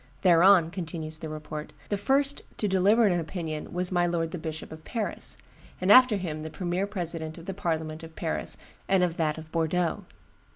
'Thereon,' continues the report, 'the first to deliver an opinion was my lord the Bishop of Paris; after him the premier president of the parliament of Paris and of that of Bordeaux.